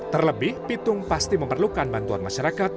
terlebih pitung pasti memerlukan bantuan masyarakat